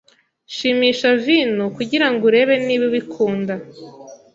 Shimisha vino kugirango urebe niba ubikunda.